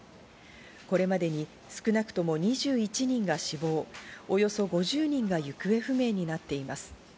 これまでに少なくとも２１人が死亡、およそ５０人が行方不明になっています。